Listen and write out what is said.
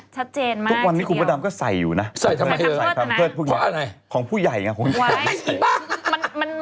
ทุกวันนี้คุณประดับก็ใส่อยู่นะใส่คำเคริตพวกนี้นะครับของผู้ใหญ่ไงคุณประดับ